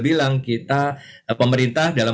bilang kita pemerintah dalam